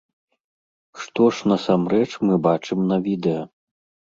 Што ж насамрэч мы бачым на відэа?